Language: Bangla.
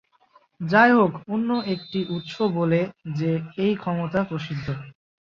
যাইহোক, অন্য একটি উৎস বলে যে এই ক্ষমতা "প্রসিদ্ধ"।